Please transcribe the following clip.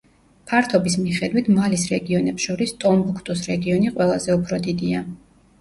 ფართობის მიხედვით მალის რეგიონებს შორის ტომბუქტუს რეგიონი ყველაზე უფრო დიდია.